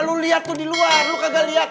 lu liat tuh di luar lu kagak liat